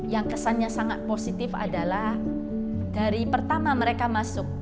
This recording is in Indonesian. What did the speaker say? yang kesannya sangat positif adalah dari pertama mereka masuk